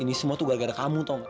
ini semua tuh gara gara kamu tau nggak